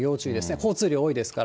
交通量多いですから。